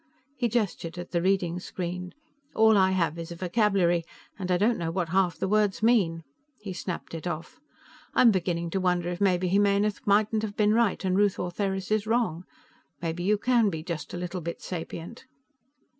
He gestured at the reading screen. "All I have is a vocabulary, and I don't know what half the words mean." He snapped it off. "I'm beginning to wonder if maybe Jimenez mightn't have been right and Ruth Ortheris is wrong. Maybe you can be just a little bit sapient."